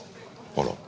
あら。